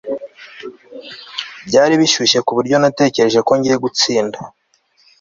Byari bishyushye kuburyo natekereje ko ngiye gutsinda